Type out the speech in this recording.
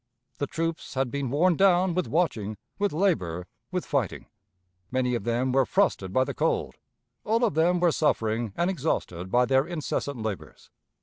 The troops had been worn down with watching, with labor, with fighting. Many of them were frosted by the cold, all of them were suffering and exhausted by their incessant labors.